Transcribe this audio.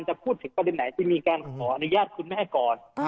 จะพูดถึงประเด็นไหนที่มีการขออนุญาตคุณแม่ก่อน